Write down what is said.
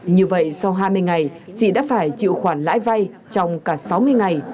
như vậy sau hai mươi ngày chị đã phải chịu khoản lãi vay trong cả sáu mươi ngày